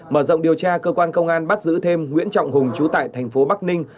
mở rộng điều tra cơ quan công an bắt giữ thêm nguyễn trọng hùng trú tại thành phố bắc ninh